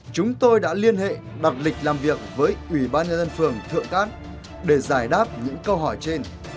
chúng tôi đã liên hệ đặc lịch làm việc với ủy ban nhân dân phường thượng cát để giải đáp những câu hỏi trên